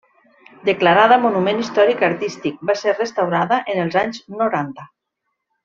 Declarada Monument Històric Artístic, va ser restaurada en els anys noranta.